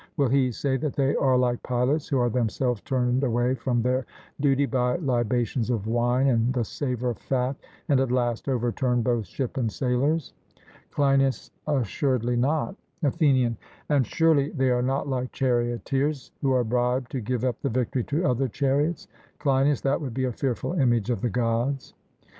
Will he say that they are like pilots, who are themselves turned away from their duty by 'libations of wine and the savour of fat,' and at last overturn both ship and sailors? CLEINIAS: Assuredly not. ATHENIAN: And surely they are not like charioteers who are bribed to give up the victory to other chariots? CLEINIAS: That would be a fearful image of the Gods.